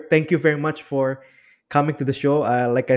dan arief terima kasih banyak